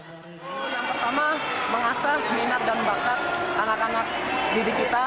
yang pertama mengasah minat dan bakat anak anak didik kita